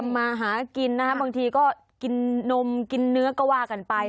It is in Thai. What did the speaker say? มาหากินนะครับบางทีก็กินนมกินเนื้อก็ว่ากันไป